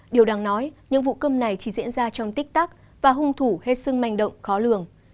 điều đáng nói những vụ cơm này chỉ diễn ra trong tích tắc và hung thủ hết sức manh động khó lường